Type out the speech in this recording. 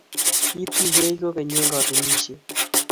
Ki tuiyech koigeny eng katunisiet